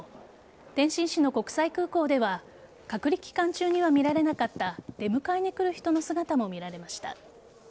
天津市の国際空港では隔離期間中には見られなかった出迎えに来る人の姿も見られました。